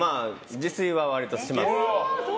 自炊は割とします。